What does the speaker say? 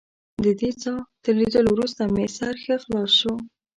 ددې څاه تر لیدلو وروسته مې سر ښه خلاص شو.